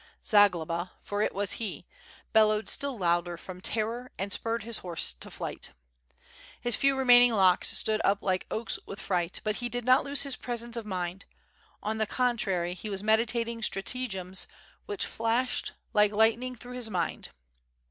Zagloba, for it was he, bellowed still louder from terror and spurred his horse to flight. His few remaining locks stood up like oaks with fright, but he did not lose his presence of mind; on the contrary he was meditating stratagems which flashed like lightning through his mind.